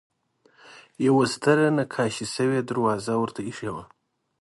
یوه ستره نقاشي شوې دروازه ورته اېښې وه.